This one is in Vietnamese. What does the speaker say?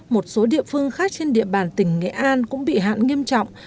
một số địa phương khác trên địa bàn tỉnh nghệ an cũng bị hạn nghiêm trọng